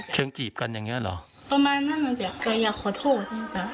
เชิงกลีบกันอย่างนี้หรอประมาณนั้นน่ะแต่อย่าขอโทษ